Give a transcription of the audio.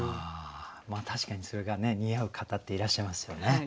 確かにそれが似合う方っていらっしゃいますよね。